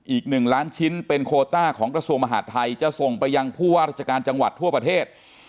อีก๑ล้านชิ้นเป็นโคต้าของกระทรวงมหาดไทยจะส่งไปยังผู้ว่าราชการจังหวัดทั่วประเทศ